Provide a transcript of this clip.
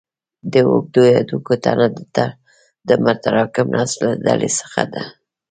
د اوږدو هډوکو تنه د متراکم نسج له ډلې څخه ده.